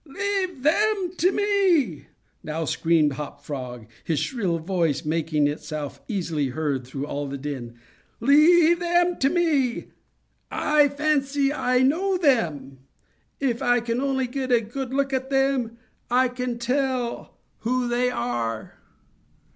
"Leave them to me!" now screamed Hop Frog, his shrill voice making itself easily heard through all the din. "Leave them to me. I fancy I know them. If I can only get a good look at them, I can soon tell who they are."